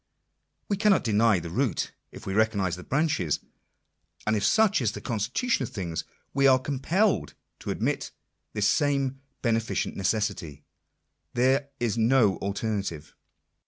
We cannot deny the root, if we recognise the branches. And if such is the constitution of things, we are compelled to admit this same " beneficent necessity." There is no alternative.